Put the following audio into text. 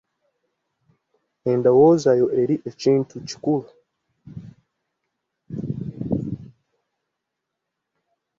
Endowooza yo eri ekintu kikulu.